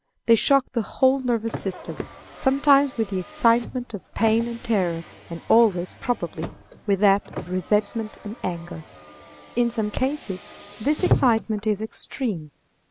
They shock the whole nervous system, sometimes with the excitement of pain and terror, and always, probably, with that of resentment and anger. In some cases this excitement is extreme.